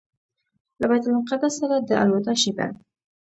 له بیت المقدس سره د الوداع شېبه.